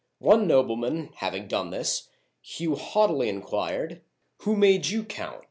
One nobleman having done this, Hugh haughtily inquired, " Who made you count